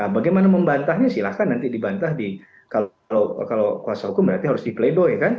bagaimana membantahnya silahkan nanti dibantah di kalau kuasa hukum berarti harus di pledoi kan